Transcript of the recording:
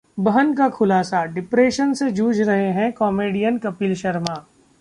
बहन का खुलासा- डिप्रेशन से जूझ रहे हैं कॉमेडियन कपिल शर्मा